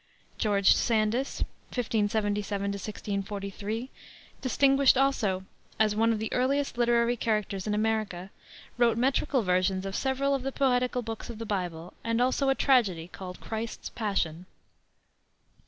George Sandys (1577 1643), distinguished also as one of the earliest literary characters in America, wrote metrical versions of several of the poetical books of the Bible, and also a tragedy called Christ's Passion.